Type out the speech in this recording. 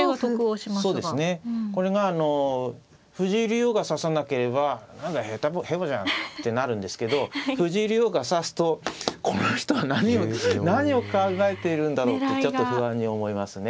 これが藤井竜王が指さなければ何だへぼじゃんってなるんですけど藤井竜王が指すとこの人は何を考えているんだろうってちょっと不安に思いますね。